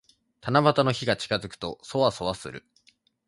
七夕の日が近づくと、そわそわする。